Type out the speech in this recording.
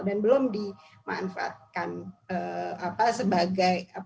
dan belum dimanfaatkan apa sebagai apa